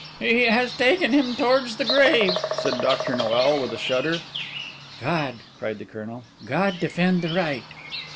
"He has taken him towards the grave," said Dr. Noel, with a shudder. "God," cried the Colonel, "God defend the right!"